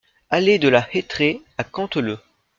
Allée de la Hetraie à Canteleu